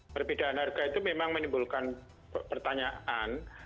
perbedaan harga itu memang menimbulkan pertanyaan